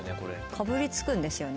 かぶりつくんですよね？